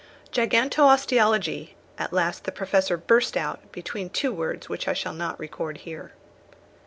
"Gigantosteologie," at last the Professor burst out, between two words which I shall not record here.